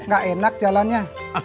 gak enak jalannya